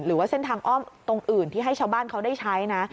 หรือว่าเส้นทางอ้อมตรงอื่นที่ให้ชาวบ้านเขาได้ใช้นะ